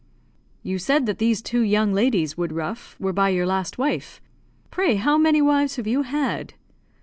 "You said that these two young ladies, Woodruff, were by your last wife. Pray how many wives have you had?"